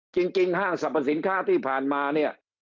จริงห้างสรรพสินค้าที่ผ่านมาเนี่ย